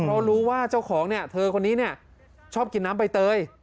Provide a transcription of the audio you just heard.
เพราะรู้ว่าเจ้าของเนี่ยเธอคนนี้เนี่ยชอบกินน้ำใบเตย